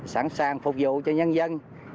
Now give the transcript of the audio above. sẵn sàng phục vụ cho nhân dân